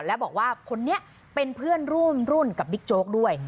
และบอกว่าคนนี้เป็นเพื่อนร่วมรุ่นกับบิ๊กโจ๊กด้วย